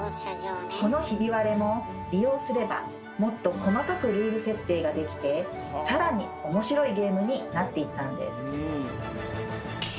このひび割れも利用すればもっと細かくルール設定ができて更に面白いゲームになっていったんです。